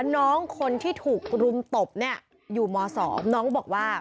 น้องคนที่ถูกรุมตบ